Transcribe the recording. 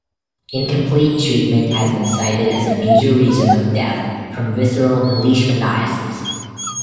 Incomplete treatment has been cited as a major reason of death from visceral leishmaniasis.